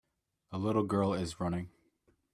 A little girl is running.